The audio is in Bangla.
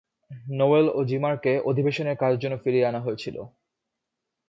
নোয়েল ও জিমারকে অধিবেশনের কাজের জন্য ফিরিয়ে আনা হয়েছিল।